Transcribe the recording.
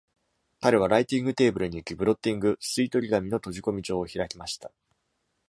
彼はライティングテーブルに行き、ブロッティング（吸取紙）の綴じ込み帳を開きました。